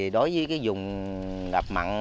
đối với dùng ngập mặn